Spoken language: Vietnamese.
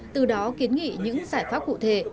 từ đó kiến nghị những giải pháp cụ thể